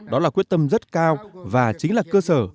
đó là quyết tâm rất cao và chính là cơ sở